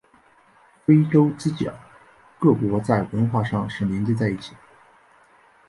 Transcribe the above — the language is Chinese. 非洲之角各国在文化上是连在一起的。